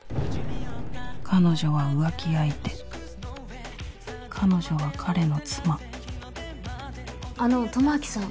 彼女は浮気相手彼女は彼の妻あの智明さん。